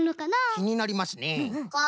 きになりますねえ！